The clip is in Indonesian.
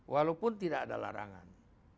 walaupun tidak ada larangan